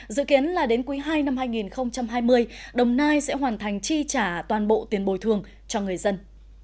dự kiến là đến quý ii năm hai nghìn hai mươi đồng nai sẽ hoàn thành chi trả toàn bộ tiền bồi thường cho người dân